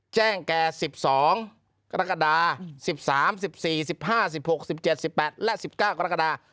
แก่๑๒กรกฎา๑๓๑๔๑๕๑๖๑๗๑๘และ๑๙กรกฎา